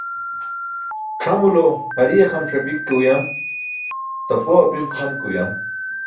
C̣ʰamulo hariye xam ṣapik ke uyam, tapoo apim xam ke uyam.